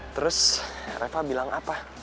terus reva bilang apa